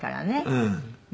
うん。